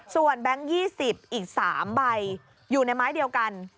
ส่วนแบงค์๒๐อีก๓ใบอยู่ในไม้เดียวกัน